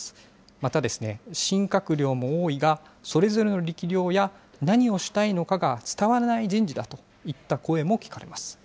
またですね、新閣僚も多いが、それぞれの力量や、何をしたいのかが伝わらない人事だといった声も聞かれます。